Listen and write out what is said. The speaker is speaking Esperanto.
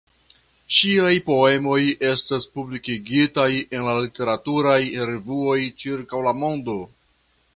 Ŝiaj poemoj estas publikigitaj en literaturaj revuoj ĉirkaŭ la mondo.